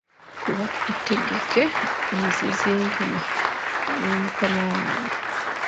Kuba otegeke ensisinkana me mukama wange.